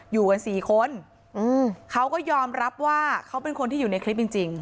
อยู่กันสี่คนเขาก็ยอมรับว่าเขาเป็นคนที่อยู่ในคลิปจริง